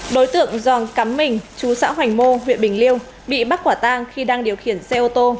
đối tượng doàng cắm mình chú xã hoành mô huyện bình liêu bị bắt quả tang khi đang điều khiển xe ô tô